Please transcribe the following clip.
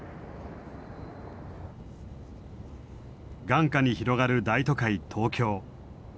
眼下に広がる大都会・東京。